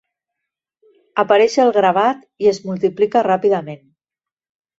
Apareix el gravat i es multiplica ràpidament.